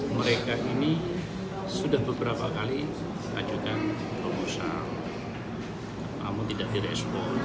mereka ini sudah beberapa kali ajukan promosal namun tidak direspon